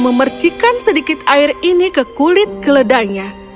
memercikkan sedikit air ini ke kulit keledainya